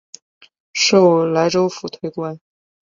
授莱州府推官。